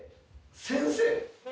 先生？